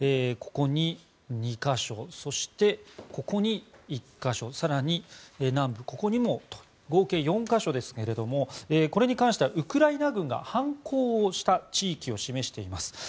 ここに２か所、そして１か所更に南部にもと合計４か所ですけれどもこれに関してはウクライナ軍が反抗をした地域を示しています。